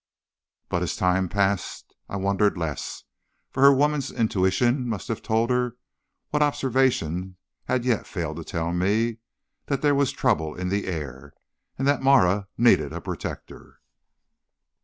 But as time passed I wondered less, for her woman's intuition must have told her, what observation had as yet failed to tell me, that there was trouble in the air, and that Marah needed a protector.